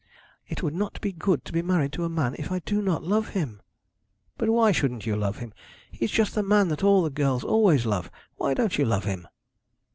'It would not be good to be married to a man if I do not love him.' 'But why shouldn't you love him? He's just the man that all the girls always love. Why don't you love him?'